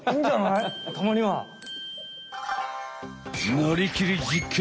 「なりきり！実験！」。